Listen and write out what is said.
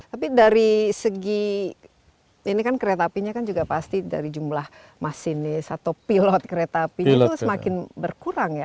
tapi dari segi ini kan kereta apinya kan juga pasti dari jumlah masinis atau pilot kereta api itu semakin berkurang ya